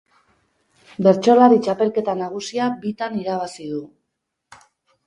Bertsolari Txapelketa Nagusia bitan irabazi du.